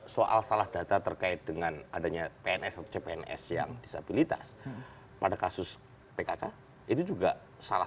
soal salah data terkait dengan adanya pns atau cpns yang disabilitas pada kasus pkk itu juga salah